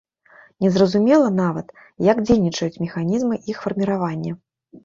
Незразумела нават, як дзейнічаюць механізмы іх фарміравання.